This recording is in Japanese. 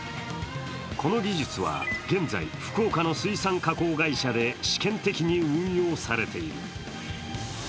この技術は現在、福岡の水産加工会社で試験的に運用されている。